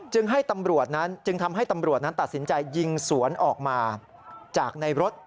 จึงทำให้ตำรวจนั้นตัดสินใจยิงสวนออกมาจากในรถ